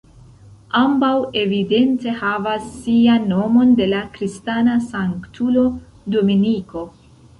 Ambaŭ evidente havas sian nomon de la kristana sanktulo Dominiko.